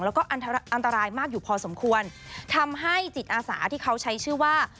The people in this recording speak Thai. แล้วก็อันตรายมากอยู่พอสมควรทำให้จิตอาสาที่เขาใช้ชื่อว่า